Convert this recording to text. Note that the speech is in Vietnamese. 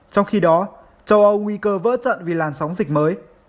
trong khi đó châu âu nguy cơ vỡ trận vì làn sóng dịch mới